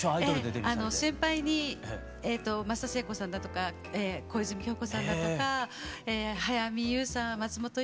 先輩に松田聖子さんだとか小泉今日子さんだとか早見優さん松本伊代さん